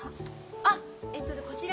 あっえとねこちら。